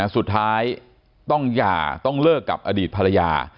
สุดท้ายต้องหย่าต้องเลิกกับอดีตภรรยา